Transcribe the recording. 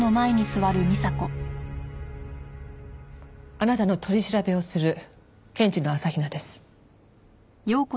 あなたの取り調べをする検事の朝日奈です。